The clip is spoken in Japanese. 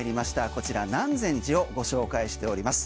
こちら、南禅寺をご紹介しております。